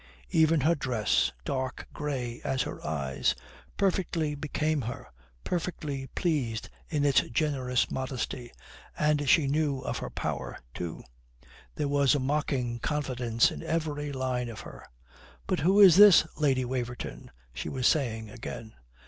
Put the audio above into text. Even her dress, dark grey as her eyes, perfectly became her, perfectly pleased in its generous modesty. And she knew of her power too. There was a mocking confidence in every line of her. "But who is this, Lady Waverton?" she was saying again.